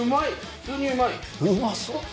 「うまそう！」